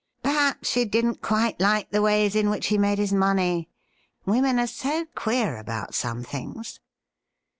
Perhaps she didn't quite like the ways in which he made his money — women are so queer about some things.